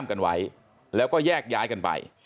จังหวัดสุราชธานี